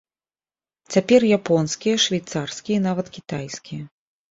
Цяпер японскія, швейцарскія і нават кітайскія.